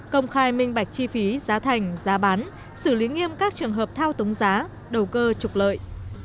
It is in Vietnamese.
công khai minh bạch chi phí giá thành giá bán xử lý nghiêm các trường hợp thao túng giá đầu cơ trục lợi